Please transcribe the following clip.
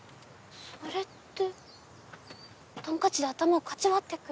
それってトンカチで頭をかち割ってくる？